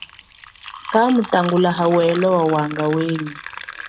Kamutangula hawelo wawanga wenyi.